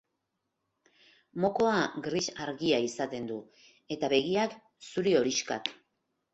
Mokoa gris argia izaten du, eta begiak zuri-horixkak.